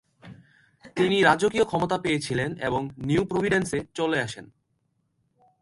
তিনি রাজকীয় ক্ষমা পেয়েছিলেন এবং নিউ প্রোভিডেন্সে চলে আসেন।